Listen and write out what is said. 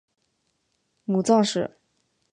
母臧氏。